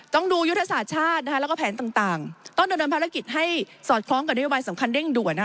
ต้องดูยุทธศาสตร์ชาตินะคะแล้วก็แผนต่างต้องดำเนินภารกิจให้สอดคล้องกับนโยบายสำคัญเร่งด่วนนะคะ